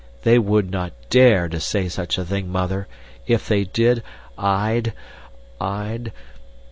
"They would not DARE to say such a thing, Mother! If they did, I'd..."